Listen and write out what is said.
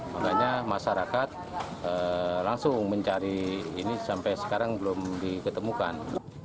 makanya masyarakat langsung mencari ini sampai sekarang belum diketemukan